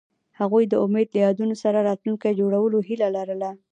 هغوی د امید له یادونو سره راتلونکی جوړولو هیله لرله.